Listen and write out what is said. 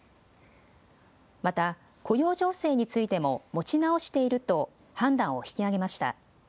また雇用情勢についても持ち直していると判断を引き上げました。